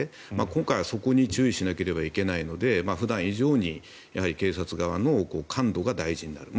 今回は、そこに注意しなければいけないので普段以上にやはり警察側の感度が大事になる。